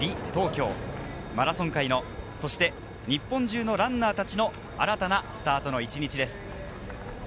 マラソン界の、そして日本中のランナーたちの新たなスタートの一日です。